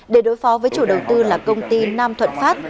để đối phó với chủ đầu tư là công ty nam thuận phát